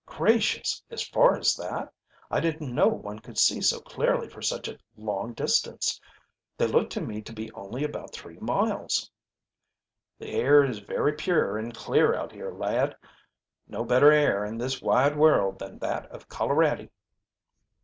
"Gracious, as far as that! I didn't know one could see so clearly for such a long distance. They look to me to be only about three miles." "The air is very pure and clear out here, lad. No better air in this wide world than that of Colorady."